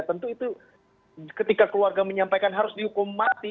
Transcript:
tentu itu ketika keluarga menyampaikan harus dihukum mati